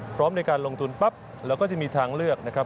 พร้อมในการลงทุนปั๊บเราก็จะมีทางเลือกนะครับ